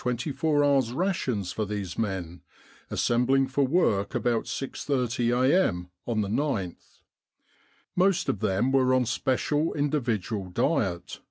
in Egypt twenty four hours' rations for these men, assembling for work about 6.30 a.m. on the gth. Most of them were on special individual diet.